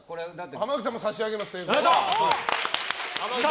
濱口さんも差し上げます。